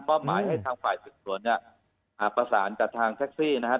มอบหมายให้ทางฝ่ายถึงตรงนี้อัปสารกับทางแท็กซี่นะครับ